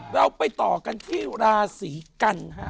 เราไปต่อกันที่ราศีกันฮะ